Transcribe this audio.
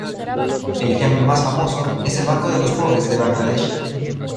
El ejemplo más famoso es el Banco de los pobres de Bangladesh.